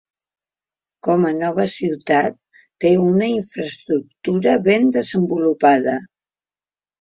Com a nova ciutat, té una infraestructura ben desenvolupada.